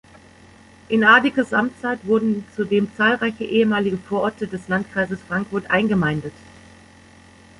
In Adickes' Amtszeit wurden zudem zahlreiche ehemalige Vororte des Landkreises Frankfurt eingemeindet.